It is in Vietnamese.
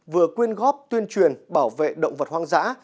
vừa quyên góp tuyên truyền bảo vệ động vật hoang dã